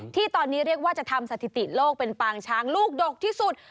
ที่ตอนนี้เรียกว่าจะทำสถิติโลกเป็นปางช้างลูกดกที่สุด